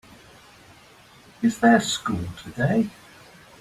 Is there school today?